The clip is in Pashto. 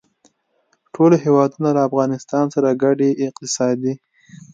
ټول هېوادونه له افغانستان سره ګډې اقتصادي